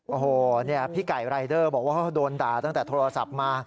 โอ้โหพี่ไก่รายเดอร์บอกว่าเขาโดนด่าตั้งแต่โทรศัพท์มา